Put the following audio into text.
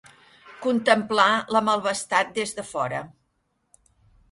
Contemplar la malvestat des de fora.